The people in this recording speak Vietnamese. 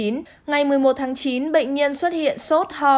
ngày một mươi một tháng chín bệnh nhân xuất hiện sốt ho